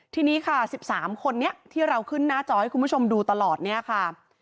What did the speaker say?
ทีนี้ค่ะ๑๓คนนี้ที่เราขึ้นหน้าจอให้คุณผู้ชมดูตลอดเนี่ยค่ะ